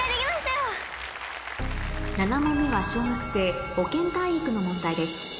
７問目は小学生保健・体育の問題です